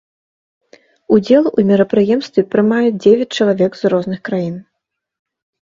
Удзел у мерапрыемстве прымаюць дзевяць чалавек з розных краін.